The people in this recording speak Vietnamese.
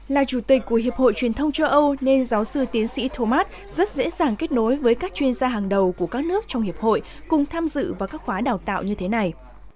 là chủ tịch của hiệp hội truyền thông châu âu nên giáo sư tiến sĩ thomas rất dễ dàng kết nối với các chuyên gia hàng đầu của các nước trong hiệp hội cùng tham dự vào các khóa đào tạo như thế này